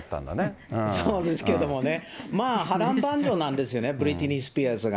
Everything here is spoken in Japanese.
ですけれどもね、まあ、波乱万丈なんですよね、ブリトニー・スピアーズが。